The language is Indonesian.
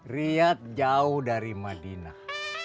riad jauh dari madinah